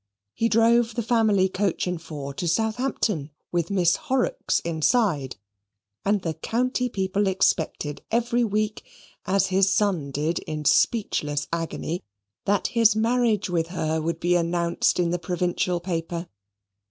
He drove the family coach and four to Southampton with Miss Horrocks inside: and the county people expected, every week, as his son did in speechless agony, that his marriage with her would be announced in the provincial paper.